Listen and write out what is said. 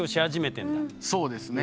そうですね。